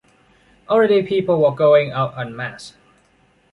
Already people were going out en masse.